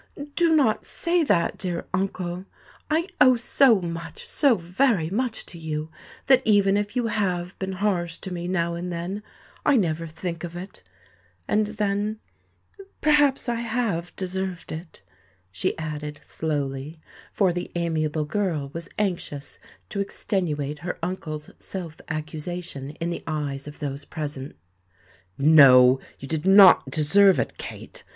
"Do not say that, dear uncle! I owe so much—so very much to you, that even if you have been harsh to me now and then, I never think of it—and then, perhaps I have deserved it," she added slowly; for the amiable girl was anxious to extenuate her uncle's self accusation in the eyes of those present. "No—you did not deserve it, Kate!"